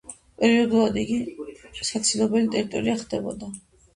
პერიოდულად იგი საცილობელი ტერიტორია ხდებოდა.